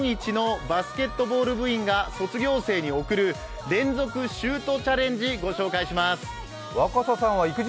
このあとの企画中継では日本一のバスケットボール部員が卒業生に贈る連続シュートチャレンジご紹介します。